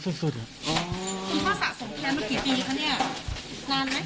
พี่ข้อส่ะสนแทนวันกี่ปีครับเนี่ย